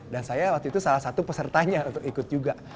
dan saya waktu itu salah satu pesertanya untuk ikut juga